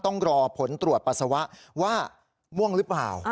ต้องรอผลตรวจปัสสาวะว่าม่วงหรือเปล่า